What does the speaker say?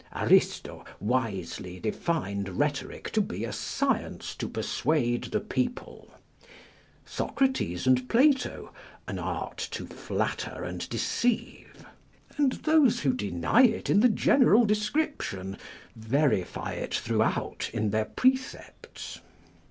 Aristo wisely defined rhetoric to be "a science to persuade the people;" Socrates and Plato "an art to flatter and deceive." And those who deny it in the general description, verify it throughout in their precepts.